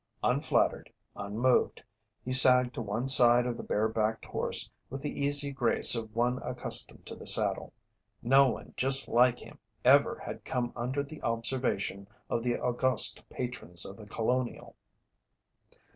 Unflattered, unmoved, he sagged to one side of the bare backed horse with the easy grace of one accustomed to the saddle. No one just like him ever had come under the observation of the august patrons of The Colonial.